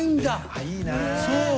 あいいなぁ。